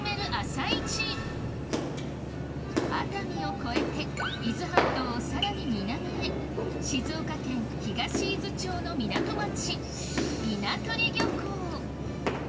熱海を越えて伊豆半島をさらに南へ静岡県東伊豆町の港町